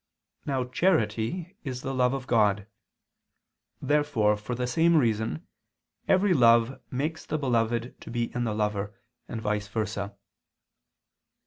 Now charity is the love of God. Therefore, for the same reason, every love makes the beloved to be in the lover, and vice versa.